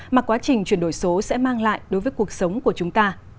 mà quá trình chuyển đổi số sẽ mang lại đối với cuộc sống của chúng ta